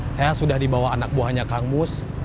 saya sudah dibawa anak buahnya kang mus